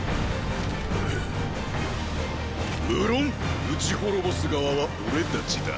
無論討ち滅ぼす側は俺たちだ。